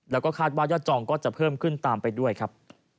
แล้วก็คาดว่ายอดจองก็จะเพิ่มขึ้นตามไปด้วยครับ